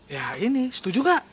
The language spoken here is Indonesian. ya ini setuju gak